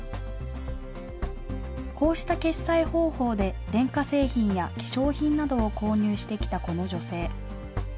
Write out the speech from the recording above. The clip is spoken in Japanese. こうした決済方法で電化製品や化粧品などを購入してきたこの女性。